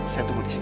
saya tunggu disini